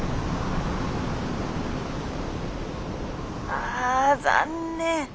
「あ残念！